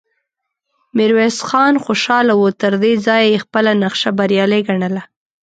ميرويس خان خوشاله و، تر دې ځايه يې خپله نخشه بريالی ګڼله،